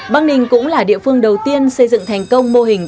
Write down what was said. bắc ninh cũng là địa phương đầu tiên xây dựng thành công mô hình